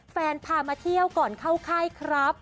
พามาเที่ยวก่อนเข้าค่ายครับ